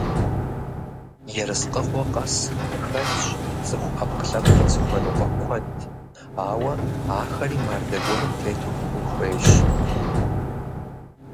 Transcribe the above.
Ерыскъыгъуэ къэс хэлъщ цӀыху Ӏэпкълъэпкъыр зыхуэныкъуэ куэд, ауэ ахэри мардэ гуэрым тету шхын хуейщ.